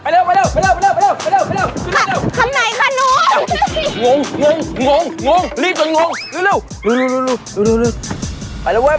ลดให้ครึ่งหนึ่งของทั้งหมดที่คุณสั่งครับ